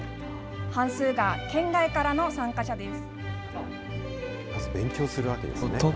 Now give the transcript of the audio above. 半数が県外からの参加者です。